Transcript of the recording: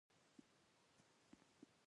احمد ته مې ماغزه وخوټېدل.